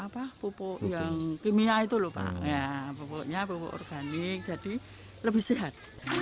apa pupuk yang kimia itu lho pak pupuknya pupuk organik jadi lebih sehat